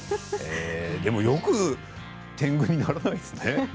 でも、よくてんぐにならないですね。